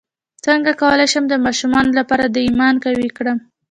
څنګه کولی شم د ماشومانو لپاره د ایمان قوي کړم